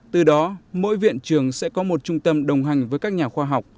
từ đó mỗi viện trường sẽ có một trung tâm đồng hành với các nhà khoa học